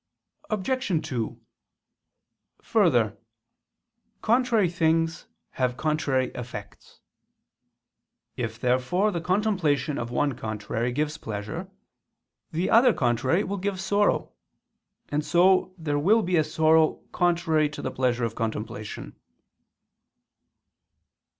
Obj. 2: Further, contrary things have contrary effects. If therefore the contemplation of one contrary gives pleasure, the other contrary will give sorrow: and so there will be a sorrow contrary to the pleasure of contemplation.